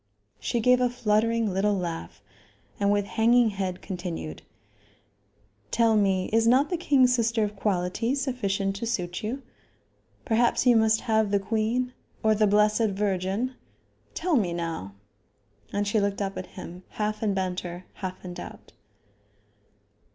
She gave a fluttering little laugh, and, with hanging head, continued: "Tell me, is not the king's sister of quality sufficient to suit you? Perhaps you must have the queen or the Blessed Virgin? Tell me now?" And she looked up at him, half in banter, half in doubt.